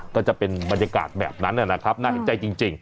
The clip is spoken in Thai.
ก็จะเป็นบรรยากาศแบบนั้นนะครับน่าเห็นใจจริง